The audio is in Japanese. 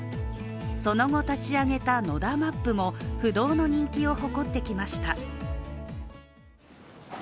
その後立ち上げた、ＮＯＤＡ・ＭＡＰも不動の人気を誇ってきました。